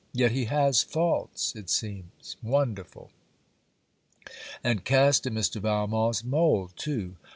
Yet he has faults, it seems. Wonderful! And cast in Mr. Valmont's mould too!